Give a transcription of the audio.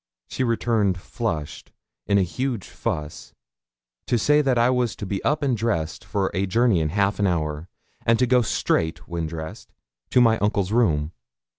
She returned flushed, in a huge fuss, to say that I was to be up and dressed for a journey in half an hour, and to go straight, when dressed, to my uncle's room.